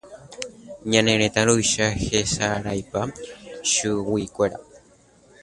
Ñane retã ruvicha hesaraipa chuguikuéra.